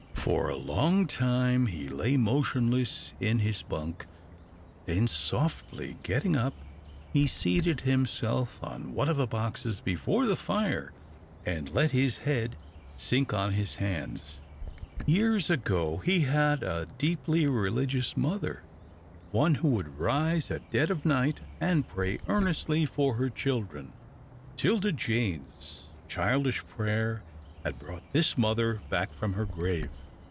For a long time he lay motionless in his bunk, then softly getting up, he seated himself on one of the boxes before the fire, and let his head sink on his hands. Years ago he had had a deeply religious mother. One who would rise at dead of night and pray earnestly for her children. 'Tilda Jane's childish prayer had brought back this mother from her grave.